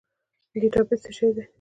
ډیټابیس څه شی دی؟